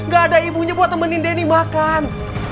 gak ada ibunya buat temenin denny makan